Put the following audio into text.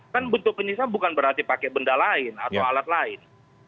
kan bentuk penyiksaan bukan berarti pakai benda lain atau alat lain